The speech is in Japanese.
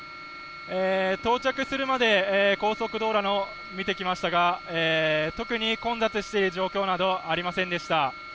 到着するまで高速道路を見てきましたが特に混雑している状況など、ありませんでした。